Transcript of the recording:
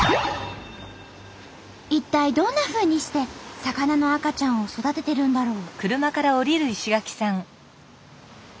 一体どんなふうにして魚の赤ちゃんを育ててるんだろう？